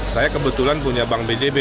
saya kebetulan punya bank bjb